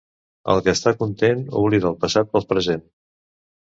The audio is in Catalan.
El que està content, oblida el passat pel present.